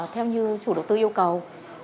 theo như chủ đầu tư yêu cầu